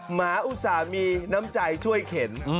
หมาอุตส่าห์มีน้ำใจช่วยเข็น